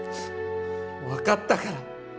わかったから！